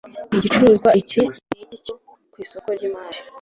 igicuruzwa iki n’ iki cyo ku isoko ry’ imari